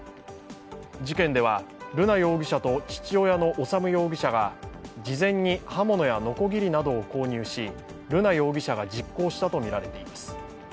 事件では瑠奈容疑者と父親の修容疑者が事前に刃物やのこぎりなどを購入し、瑠奈容疑者が実行したとみられています。